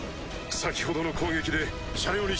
先ほどの攻撃で車両に支障が。